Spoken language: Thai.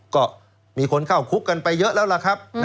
ก็มีคนเข้าคุกกันไปเยอะแล้วล่ะครับ